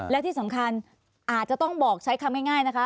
และที่สำคัญอาจจะต้องบอกใช้คำง่ายนะคะ